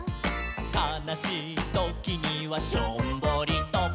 「かなしいときにはしょんぼりと」